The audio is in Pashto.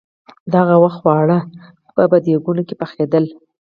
د هغه وخت خواړه به په دېګونو کې پخېدل.